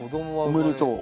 おめでとう。